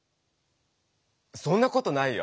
そんなことないよ。